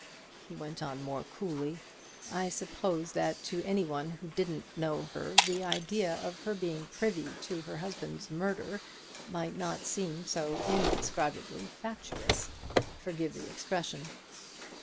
he went on more coolly, "I suppose that to any one who didn't know her the idea of her being privy to her husband's murder might not seem so indescribably fatuous. Forgive the expression."